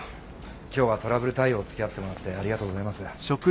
今日はトラブル対応つきあってもらってありがとうございます。